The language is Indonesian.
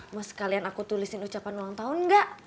mau sekalian aku tulisin ucapan ulang tahun enggak